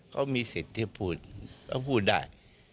เขามีสิทธิ์ที่พูดเขาพูดได้